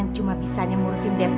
lo kok berhenti sih kenapa